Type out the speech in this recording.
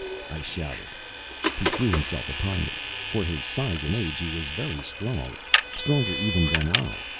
I shouted. He threw himself upon me. For his size and age, he was very strong stronger, even, than I.